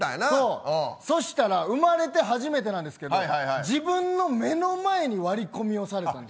そしたら生まれて初めてなんですけど自分の目の前に割り込みをされたんです。